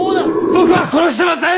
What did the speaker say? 僕は殺してません！